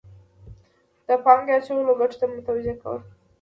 د پانګې اچولو ګټو ته متوجه کول.